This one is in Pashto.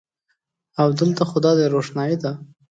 او د لته خو دادی روښنایې ده